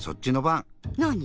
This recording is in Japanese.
なに？